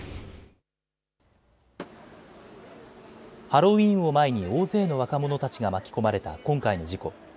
ハロウィーンを前に大勢の若者たちが巻き込まれた今回の事故。